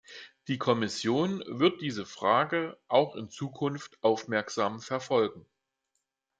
Die Kommission wird diese Frage auch in Zukunft aufmerksam verfolgen.